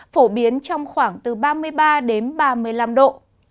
phổ biến trong khoảng từ ba mươi ba đến ba mươi năm độ